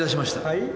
はい？